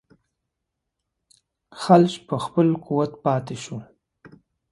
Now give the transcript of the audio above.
خلج په خپل قوت پاته شول.